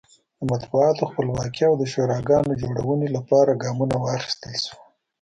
د مطبوعاتو خپلواکۍ او د شوراګانو جوړونې لپاره ګامونه واخیستل شول.